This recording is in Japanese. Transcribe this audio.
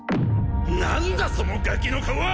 何だそのガキの顔は！